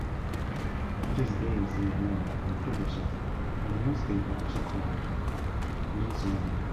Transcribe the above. It is based in Vienna and publishes a newspaper also called "Linkswende".